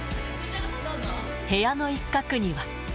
部屋の一角には。